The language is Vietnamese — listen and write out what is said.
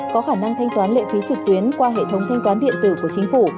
có khả năng thanh toán lệ phí trực tuyến qua hệ thống thanh toán điện tử của chính phủ